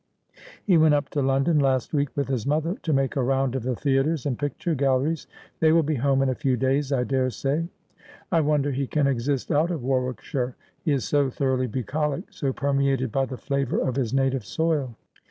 ' He went up to London last week with his mother, to make a round of the theatres and picture galleries. They will be home in a few days, I daresay.' 'I wonder he can exist out of Warwickshire. He is so thoroughly bucolic, so permeated by the flavour of his native soil.'